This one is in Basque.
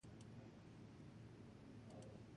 Lurraren gainazala laua zela uste zen.